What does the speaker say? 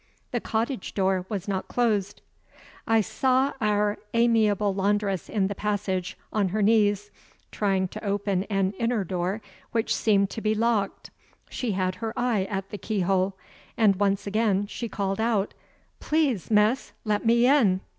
The cottage door was not closed. I saw our amiable laundress in the passage, on her knees, trying to open an inner door which seemed to be locked. She had her eye at the keyhole; and, once again, she called out: "Please, miss, let me in."